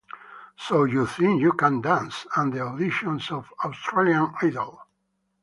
"So You Think You Can Dance" and the auditions of "Australian Idol".